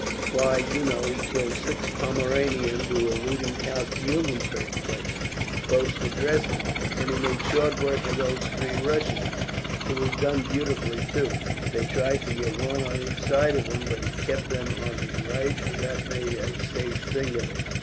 Why, you know, he killed six Pomeranians who were looting Count Eulenfurst's place, close to Dresden; and he made short work of those three Russians. It was done beautifully, too. They tried to get one on each side of him, but he kept them on his right, and that made a safe thing of it.